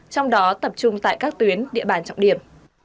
trong đó tập trung tại các tuyến địa bàn trọng điểm